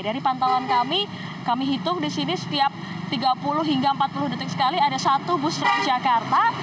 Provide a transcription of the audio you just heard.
dari pantauan kami kami hitung di sini setiap tiga puluh hingga empat puluh detik sekali ada satu bus transjakarta